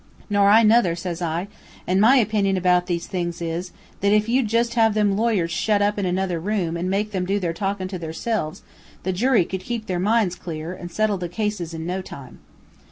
"'Nor I nuther,' says I, 'an' my opinion about these things is, that if you'd jus' have them lawyers shut up in another room, an' make 'em do their talkin' to theirselves, the jury could keep their minds clear, and settle the cases in no time.'